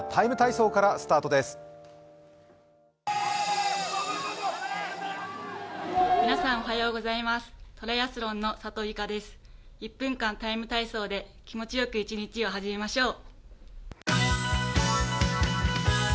ＴＩＭＥ，体操」で気持ちよく一日を始めましょう。